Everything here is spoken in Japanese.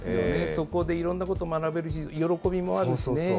そこでいろんなこと学べるし、喜びもあるしね。